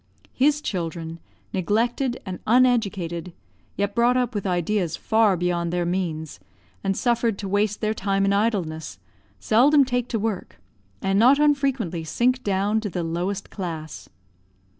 His children, neglected and uneducated, yet brought up with ideas far beyond their means, and suffered to waste their time in idleness, seldom take to work, and not unfrequently sink down to the lowest class.